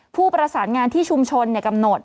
ผู้ประสานงานที่ชุมชนกำหนด